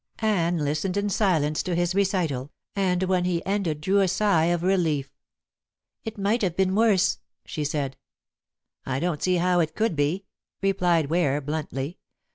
Anne listened in silence to his recital, and when he ended drew a sigh of relief. "It might have been worse," she said. "I don't see how it could be," replied Ware bluntly.